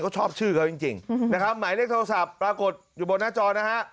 เขาชอบชื่อเขาจริงนะครับหมายเลขโทรศัพท์ปรากฏอยู่บนหน้าจอนะฮะ